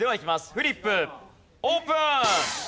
フリップオープン！